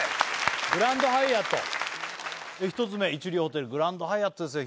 グランドハイアット１つ目一流ホテルグランドハイアットですよ